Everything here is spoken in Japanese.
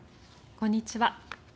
こんにちは。